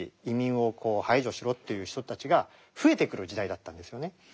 移民を排除しろという人たちが増えてくる時代だったんですよね。